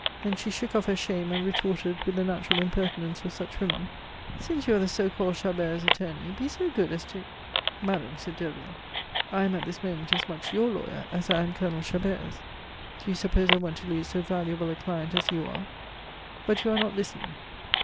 Then she shook off her shame, and retorted with the natural impertinence of such women, "Since you are the so called Chabert's attorney, be so good as to " "Madame," said Derville, "I am at this moment as much your lawyer as I am Colonel Chabert's. Do you suppose I want to lose so valuable a client as you are? But you are not listening."